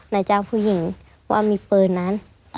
นายจ้างผู้หญิงว่ามีปืนนั้น